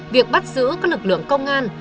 việc bắt giữ các lực lượng công an